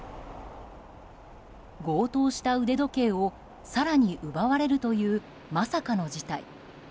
強盗した腕時計を更に奪われるというまさかの事態。